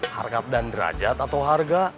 harga dan derajat atau harga